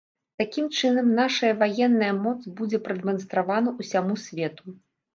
Такім чынам, нашая ваенная моц будзе прадэманстравана ўсяму свету.